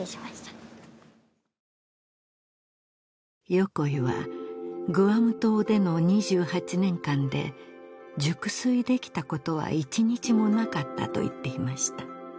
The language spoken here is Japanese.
横井はグアム島での２８年間で熟睡できたことは一日もなかったと言っていました